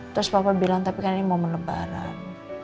terus papa bilang tapi kan ini momen lebaran